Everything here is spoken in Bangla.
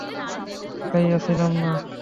তাকায়া ছিলাম না।